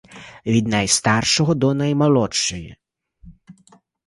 Від найстаршого до наймолодшої.